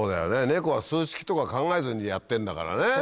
ネコは数式とか考えずにやってんだからね。